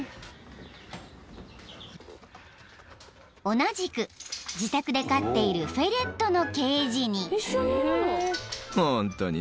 ［同じく自宅で飼っているフェレットのケージに］